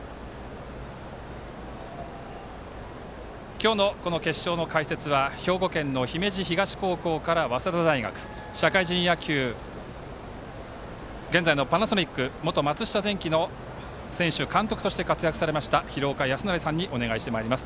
今日の決勝の解説は兵庫県の姫路東高校から早稲田大学社会人野球、現在のパナソニック元松下電器の選手、監督として活躍されました廣岡資生さんにお願いしてまいります。